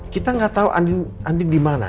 kita gak tahu andin dimana